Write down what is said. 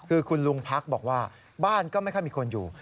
คือคุณลุงพักบอกว่าบ้านก็ไม่ค่อยมีคนอยู่